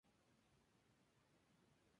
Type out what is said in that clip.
Fundación Unicaja.